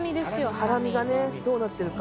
ハラミがねどうなってるか。